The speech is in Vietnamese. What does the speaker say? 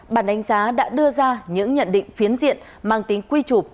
bản đánh giá đã đưa ra những nhận định phiến diện mang tính quy trục